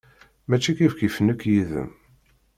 Mačči kifkif nekk yid-m.